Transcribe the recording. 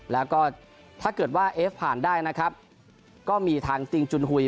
แล้วก็ถ้าเกิดว่าเอฟผ่านได้นะครับก็มีทางติงจุนหุย